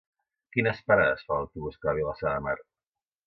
Quines parades fa l'autobús que va a Vilassar de Mar?